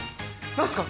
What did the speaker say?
何ですか？